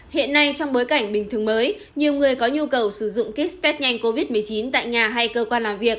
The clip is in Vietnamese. hiện nay trong bối cảnh bình thường mới nhiều người có nhu cầu sử dụng kistan nhanh covid một mươi chín tại nhà hay cơ quan làm việc